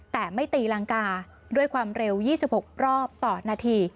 แต่ไม่ตีรังกาด้วยความเร็ว๒๖รอบต่อนาที